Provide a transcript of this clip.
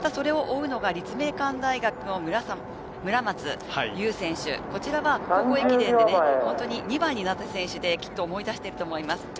それを追うのが立命館大学の村松結選手、高校駅伝で本当に２番になった選手で、きっと思い出していると思います。